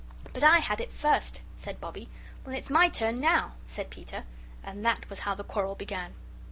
"But I had it first," said Bobbie. "Then it's my turn now," said Peter. And that was how the quarrel began.